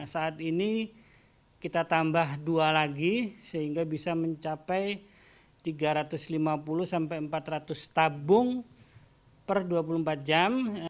saat ini kita tambah dua lagi sehingga bisa mencapai tiga ratus lima puluh sampai empat ratus tabung per dua puluh empat jam